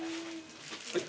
はい。